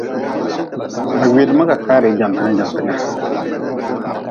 Ba gwedma kakaari jantnga jantnga.